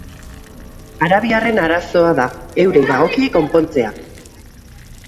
Arabiarren arazoa da, eurei dagokie konpontzea.